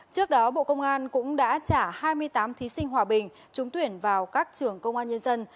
trước đó bộ công an cũng đã trả hai mươi tám thí sinh hòa bình trúng tuyển vào các trường công an nhân dân